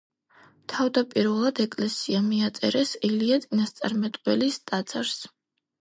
თავდაპირველად ეკლესია მიაწერეს ელია წინასწარმეტყველის ტაძარს.